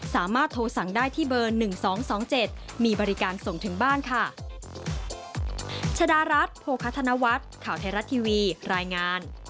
สามารถโทรสั่งได้ที่เบอร์๑๒๒๗มีบริการส่งถึงบ้านค่ะ